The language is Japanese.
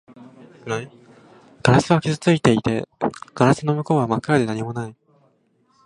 ガラスは傷ついていて、ガラスの向こうは真っ暗で何もない